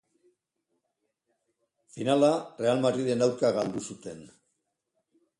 Finala Real Madrilen aurka galdu zuten.